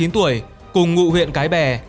hai mươi chín tuổi cùng ngụ huyện cái bè